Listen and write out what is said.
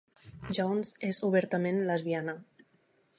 Jones és obertament lesbiana.